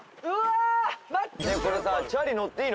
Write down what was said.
うわーっ！